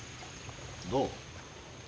どう？